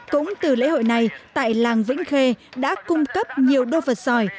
cũng từ lễ hội này tại làng vĩnh khê đã cung cấp nhiều đô vật giỏi